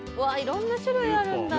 色んな種類あるんだ